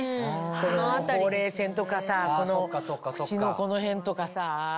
このほうれい線とかさ口のこの辺とかさ。